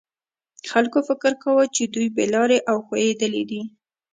خلکو فکر کاوه چې دوی بې لارې او ښویېدلي دي.